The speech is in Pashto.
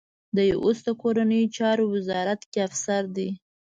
دی اوس د کورنیو چارو وزارت کې افسر دی.